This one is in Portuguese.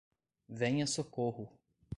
Venha Socorro.